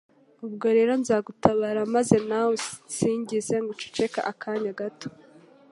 ubwo rero nzagutabara maze nawe unsingize» guceceka akanya gato